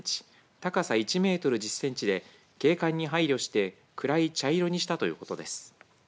高さ１メートル１０センチで景観に配慮して暗い茶色にしたということです。